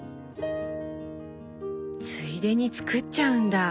ついでに作っちゃうんだ！